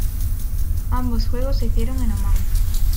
Ambos juegos se hicieron en Omán.